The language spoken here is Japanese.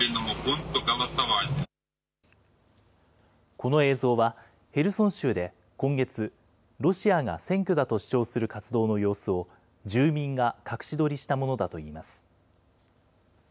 この映像は、ヘルソン州で今月、ロシアが選挙だと主張する活動の様子を、住民が隠し撮りしたものだといいます。